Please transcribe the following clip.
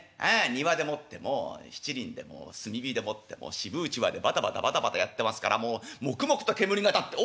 庭でもってもう七輪でもう炭火でもって渋うちわでバタバタバタバタやってますからもうモクモクと煙が立って。